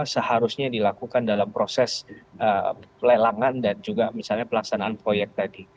seharusnya dilakukan dalam proses lelangan dan juga misalnya pelaksanaan proyek tadi